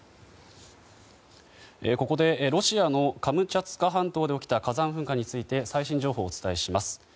ここでロシアのカムチャツカ半島で起きた火山噴火について最新情報をお伝えします。